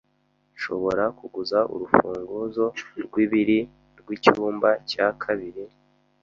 Nshobora kuguza urufunguzo rwibiri rwicyumba cya kabiri?